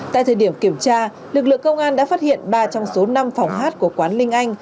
tại thời điểm kiểm tra lực lượng công an đã phát hiện ba trong số năm phòng hát của quán linh anh